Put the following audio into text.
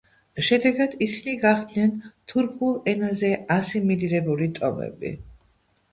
შედეგად ისინი გახდნენ თურქულ ენაზე ასიმილირებული ტომები.